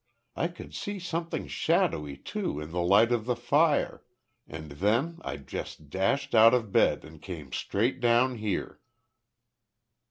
I could see something shadowy too in the light of the fire and then I just dashed out of bed and came straight down here."